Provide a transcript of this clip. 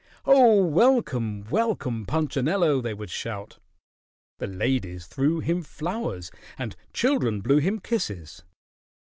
"Oh, welcome! Welcome, Punchinello!" they would shout. The ladies threw him flowers and children blew him kisses.